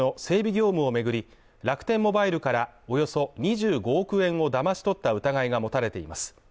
業務を巡り、楽天モバイルからおよそ２５億円をだまし取った疑いが持たれています。